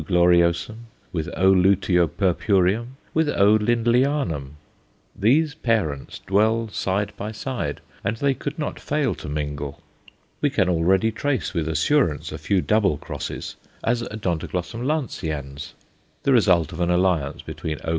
gloriosum_, with O. luteopurpureum, with O. Lindleyanum; these parents dwell side by side, and they could not fail to mingle. We can already trace with assurance a few double crosses, as O. lanceans, the result of an alliance between _O.